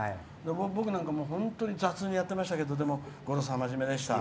僕なんかも本当に雑にやってましたけど五郎さんは、真面目でした。